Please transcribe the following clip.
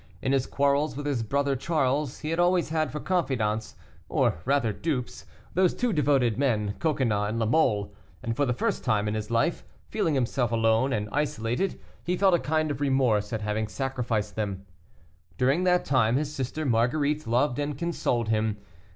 In his quarrels with his brother Charles he had always had for confidants, or rather dupes, those two devoted men, Coconnas and La Mole, and, for the first time in his life, feeling himself alone and isolated, he felt a kind of remorse at having sacrificed them. During that time his sister Marguerite loved and consoled him.